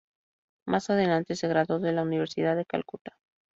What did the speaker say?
Más adelante se graduó de la Universidad de Calcuta.